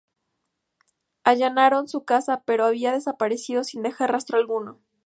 Allanaron su casa pero había desaparecido sin dejar rastro alguno.